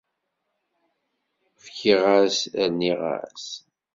Efkiɣ-as, rniɣ-as.